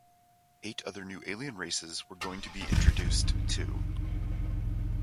Eight other new alien races were going to be introduced too.